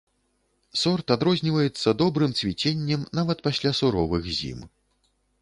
Сорт адрозніваецца добрым цвіценнем нават пасля суровых зім.